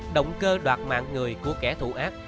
động cơ đoạt mạng người của kẻ thủ ác